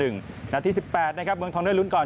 นาที๑๘นะครับเมืองทองได้ลุ้นก่อน